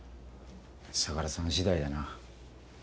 相良さん次第だな。